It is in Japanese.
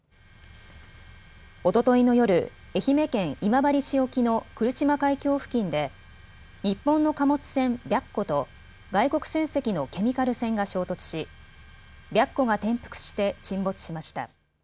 おとといの夜、愛媛県今治市沖の来島海峡付近で日本の貨物船、白虎と外国船籍のケミカル船が衝突し白虎が転覆して沈没しました。